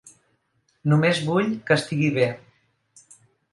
Només vull que estigui bé.